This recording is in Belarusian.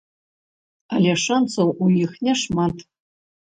Але шанцаў у іх няшмат.